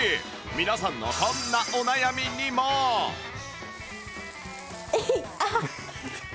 皆さんのこんなお悩みにもえいっ！あっ！